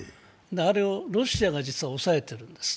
あれをロシアが実はおさえているんです。